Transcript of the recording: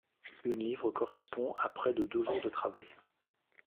Une livre correspond à près de deux jours de travail.